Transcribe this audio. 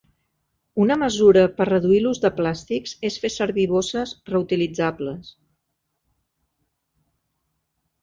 Una mesura per reduir l'ús de plàstics és fer servir bosses reutilitzables.